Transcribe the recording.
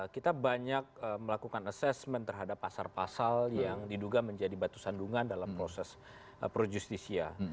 kita banyak melakukan assessment terhadap pasal pasal yang diduga menjadi batu sandungan dalam proses pro justisia